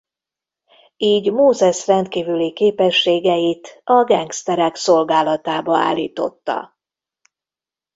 Így Mózes rendkívüli képességeit a gengszterek szolgálatába állította.